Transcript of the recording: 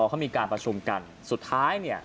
เขามีการประชุมกันสุดท้าย